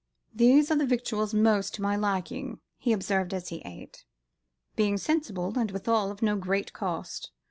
"These are the victuals most to my liking," he observed as he ate, "being seasonable and withal of no great cost.